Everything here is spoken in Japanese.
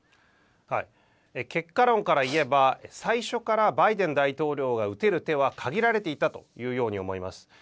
結果論から言えば最初からバイデン大統領が打てる手は限られていたというように思います。